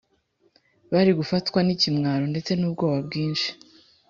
bari gufatwa n’ikimwaro ndetse n’ubwoba bwinshi